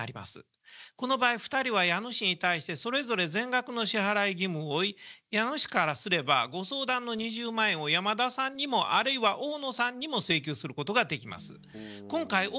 この場合２人は家主に対してそれぞれ全額の支払い義務を負い家主からすればご相談の２０万円を山田さんにもあるいは大野さんにも請求することができます。